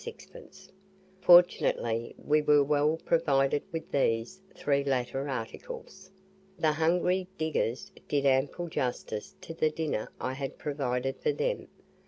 6d. Fortunately we were Well provided with these three latter articles. The hungry diggers did ample justice to the dinner I had provided for them.